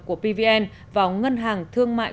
của pvn vào ngân hàng thương mại